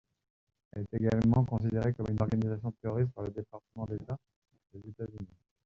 Elle est également considérée comme une organisation terroriste par le département d'État des États-Unis.